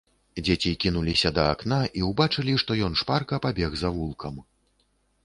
Дзеці кінуліся да акна і ўбачылі, што ён шпарка пабег завулкам.